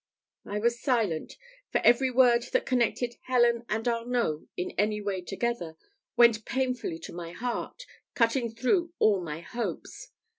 I was silent; for every word that connected Helen and Arnault in any way together, went painfully to my heart, cutting through all my hopes.